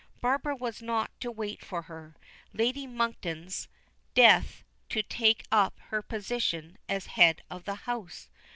Barbara was not to wait for her Lady Monkton's death to take up her position as head of the house.